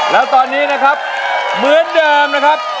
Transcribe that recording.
แล้วตอนนี้นะครับเหมือนเดิมนะครับ